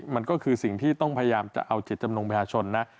มันก็คือสิ่งที่ต้องพยายามจะเอาจิตจำนงประชาชนนะ